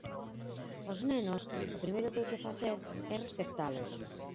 Os nenos o primeiro que hai que facer é respectalos.